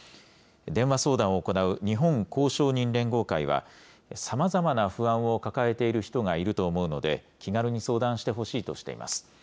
電話相談を行う日本公証人連合会は、さまざまな不安を抱えている人がいると思うので、気軽に相談してほしいとしています。